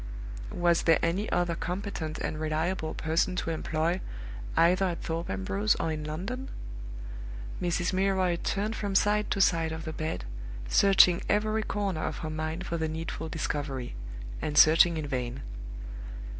Was there any other competent and reliable person to employ, either at Thorpe Ambrose or in London? Mrs. Milroy turned from side to side of the bed, searching every corner of her mind for the needful discovery, and searching in vain.